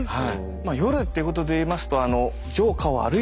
まあ夜っていうことでいいますと城下を歩いている人